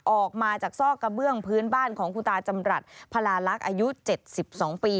ออกมาจากซอกกระเบื้องพื้นบ้านของคุณตาจำรัฐพลาลักษณ์อายุ๗๒ปี